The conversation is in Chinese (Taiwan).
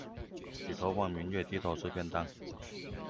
舉頭望明月，低頭吃便當